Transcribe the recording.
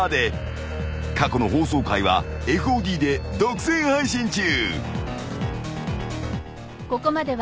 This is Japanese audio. ［過去の放送回はＦＯＤで独占配信中］